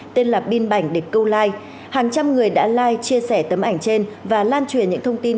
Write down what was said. tên là bin bảnh để câu like hàng trăm người đã lai chia sẻ tấm ảnh trên và lan truyền những thông tin